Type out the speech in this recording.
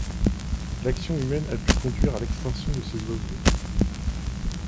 L'action humaine a pu conduire à l'extinction de ces oiseaux.